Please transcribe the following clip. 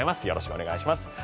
よろしくお願いします。